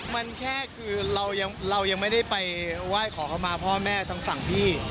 มันแค่คือเรายังไม่ได้ไปไหว้ขอเข้ามาพ่อแม่ทางฝั่งพี่